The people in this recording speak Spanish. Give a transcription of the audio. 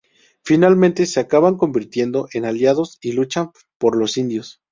Finalmente se acaban convirtiendo en aliados y luchan por los indios.